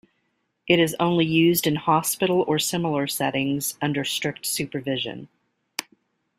It is only used in hospital or similar settings, under strict supervision.